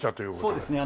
そうですね。